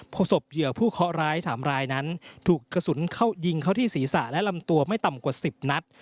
พบศพเหยื่อผู้เคาะร้าย๓รายนั้นถูกกระสุนเข้ายิงเข้าที่ศีรษะและลำตัวไม่ต่ำกว่า๑๐นัด